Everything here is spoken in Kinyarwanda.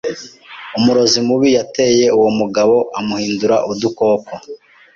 Umurozi mubi yateye uwo mugabo amuhindura udukoko.